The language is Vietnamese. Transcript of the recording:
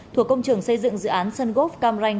thuộc công trường xây dựng dự án sungop cam ranh